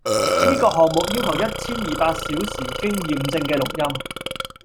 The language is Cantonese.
呢個項目要求一千二百小時經驗証嘅錄音